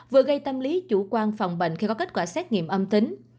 vừa gây tâm lý chủ quan phòng bệnh khi có kết quả xét nghiệm âm tính